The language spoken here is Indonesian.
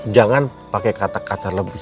jangan pakai kata kata lebih